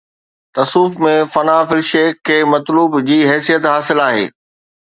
تصوف ۾ فنا في الشيخ کي مطلوب جي حيثيت حاصل آهي.